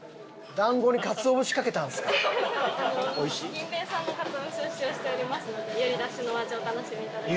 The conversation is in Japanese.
にんべんさんのかつお節を使用しておりますのでよりダシのお味をお楽しみいただけます。